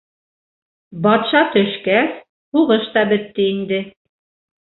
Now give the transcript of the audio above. — Батша төшкәс, һуғыш та бөттө инде.